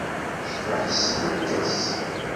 Yecbeḥ s tfekka-s.